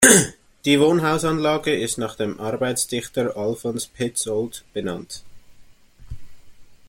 Die Wohnhausanlage ist nach dem Arbeiterdichter Alfons Petzold benannt.